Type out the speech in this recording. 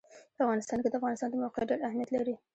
په افغانستان کې د افغانستان د موقعیت ډېر اهمیت لري.